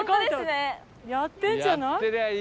やってるんじゃない？